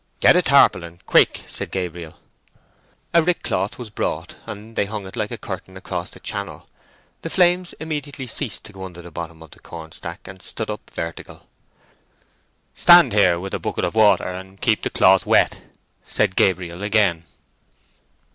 "Get a tarpaulin—quick!" said Gabriel. A rick cloth was brought, and they hung it like a curtain across the channel. The flames immediately ceased to go under the bottom of the corn stack, and stood up vertical. "Stand here with a bucket of water and keep the cloth wet." said Gabriel again.